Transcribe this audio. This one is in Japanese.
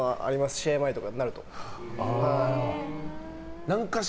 試合前とかになると。